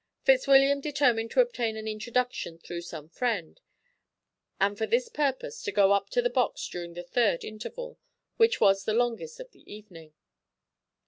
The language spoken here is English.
Fitzwilliam determined to obtain an introduction through some friend, and for this purpose to go up to the box during the third interval, which was the longest of the evening.